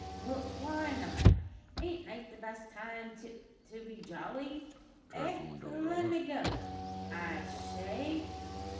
"W why not? ain't night the best time to to be jolly? eh! L me go, I shay."